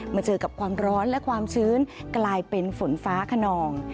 เจอกับความร้อนและความชื้นกลายเป็นฝนฟ้าขนอง